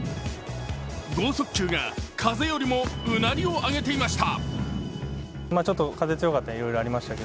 剛速球が風よりもうなりを上げていました。